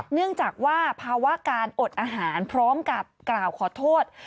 เนื่องจากว่าภาวะการอดอาหารพร้อมกับกล่าวขอโทษ